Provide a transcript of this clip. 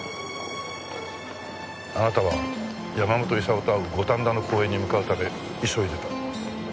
あなたは山本功と会う五反田の公園に向かうため急いでた。